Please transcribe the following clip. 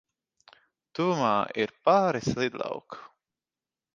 Tuvumā ir pāris lidlauku.